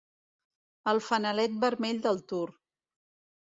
El fanalet vermell del Tour.